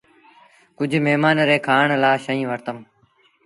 ڪجھ مهمآݩ ري کآڻ لآ شئيٚن وٺتم۔